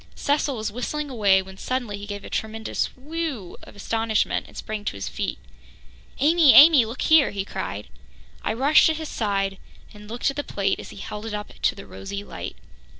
Cecil was whistling away when suddenly he gave a tremendous "whew" of astonishment and sprang to his feet. "Amy, Amy, look here!" he cried. I rushed to his side and looked at the plate as he held it up in the rosy light.